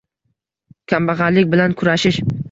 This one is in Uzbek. «Kambag‘allik bilan kurashish»